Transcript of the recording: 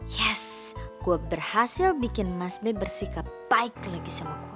yes gue berhasil bikin mas b bersikap baik lagi sama gue